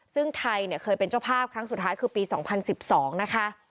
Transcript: ซึ่งไทยเนี่ยเคยเป็นเจ้าภาพครั้งสุดท้ายคือปี๒๐๑๒นะคะ